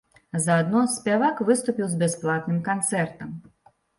Заадно спявак выступіў з бясплатным канцэртам.